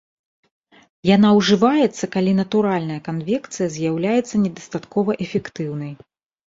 Яна ўжываецца, калі натуральная канвекцыя з'яўляецца недастаткова эфектыўнай.